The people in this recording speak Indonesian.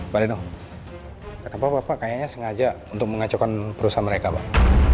pak leno kenapa bapak kayaknya sengaja untuk mengacaukan perusahaan mereka pak